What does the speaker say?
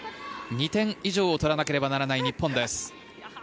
２点以上を取らなければならない日本です。